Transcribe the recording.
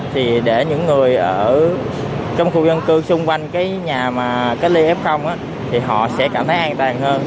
thì để những người ở trong khu dân cư xung quanh cái nhà mà cách ly f thì họ sẽ cảm thấy an toàn hơn